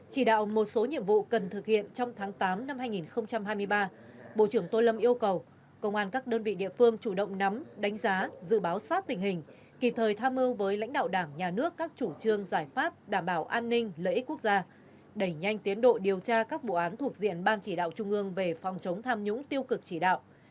chỉ đạo một số nhiệm vụ cần thực hiện trong tháng tám năm hai nghìn hai mươi ba bộ trưởng tô lâm yêu cầu công an các đơn vị địa phương chủ động nắm đánh giá dự báo sát tình hình kịp thời tham mưu với lãnh đạo đảng nhà nước các chủ trương giải pháp đảm bảo an ninh lợi ích quốc gia đẩy nhanh tiến độ điều tra các bộ án thuộc diện ban chỉ đạo trung ương về phòng chống tham nhũng tiêu cực chỉ đạo